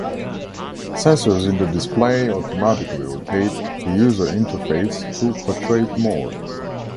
Sensors in the display automatically rotate the user interface to portrait mode.